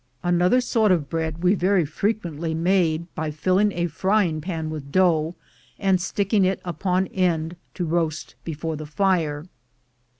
Another sort of bread we very frequently made by filling a frying pan with dough, and sticking it upon end to roast before the fire.